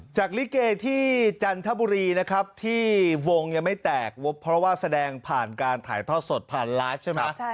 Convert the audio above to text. ลิเกที่จันทบุรีนะครับที่วงยังไม่แตกเพราะว่าแสดงผ่านการถ่ายทอดสดผ่านไลฟ์ใช่ไหม